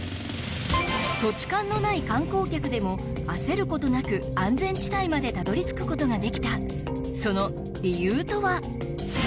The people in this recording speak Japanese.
土地勘のない観光客でも焦ることなく安全地帯までたどり着くことができたその理由とは？